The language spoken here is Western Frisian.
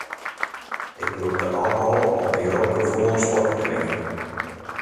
Ik brûkte alkohol om dy rotgefoelens fuort te kringen.